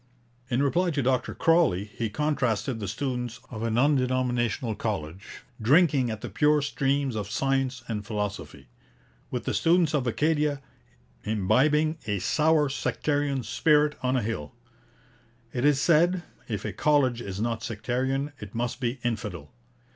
' In reply to Dr Crawley he contrasted the students of an undenominational college, 'drinking at the pure streams of science and philosophy,' with the students of Acadia 'imbibing a sour sectarian spirit on a hill.' 'It is said, if a college is not sectarian, it must be infidel.